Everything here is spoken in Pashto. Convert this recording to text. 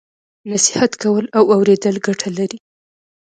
نصیحت کول او اوریدل ګټه لري.